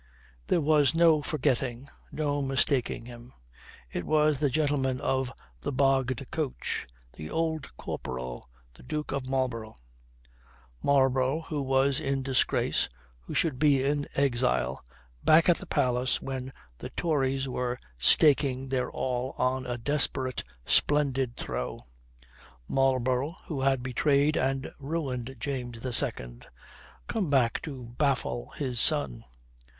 There was no forgetting, no mistaking him. It was the gentleman of the bogged coach, the Old Corporal, the Duke of Marlborough.. Marlborough, who was in disgrace, who should be in exile, back at the palace when the Tories were staking their all on a desperate, splendid throw: Marlborough, who had betrayed and ruined James II, come back to baffle his son!